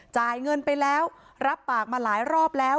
จ่ายเงินไปแล้วรับปากมาหลายรอบแล้ว